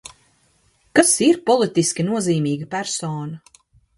Kas ir politiski nozīmīga persona?